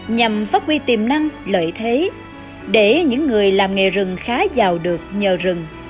nhằm phát huy tiềm năng lợi thế để những người làm nghề rừng khá giàu được nhờ rừng